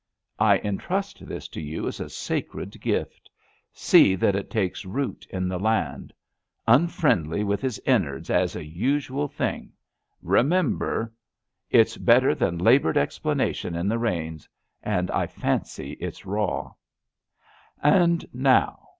I entrust this to you as a sacred gift. See that it takes root in the land. Unfriendly with his innards as a usual thing." Eemember. It's bet ter than laboured e:splanations in the rains. And I fancy it's raw. And now.